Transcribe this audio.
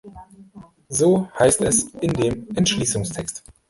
So heißt es in dem Entschließungstext.